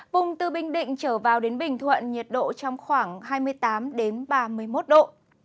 vùng từ bình định trở vào đến bình thuận nhiệt độ trong khoảng hai mươi tám ba mươi một độ